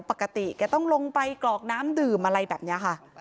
ปกติแกต้องลงไปกรอกน้ำดื่มอะไรแบบนี้ค่ะ